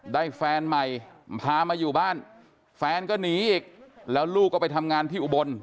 แฟนใหม่พามาอยู่บ้านแฟนก็หนีอีกแล้วลูกก็ไปทำงานที่อุบล